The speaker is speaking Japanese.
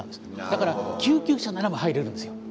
だから救急車ならば入れるんですよ。